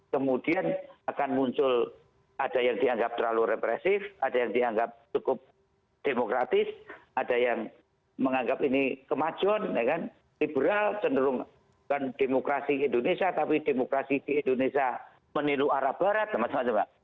kemudian akan muncul ada yang dianggap terlalu represif ada yang dianggap cukup demokratis ada yang menganggap ini kemajuan liberal cenderung bukan demokrasi indonesia tapi demokrasi di indonesia meniru arah barat dan macam macam